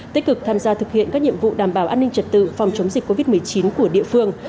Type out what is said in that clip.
tích cực tham gia thực hiện các nhiệm vụ đảm bảo an ninh trật tự phòng chống dịch covid một mươi chín của địa phương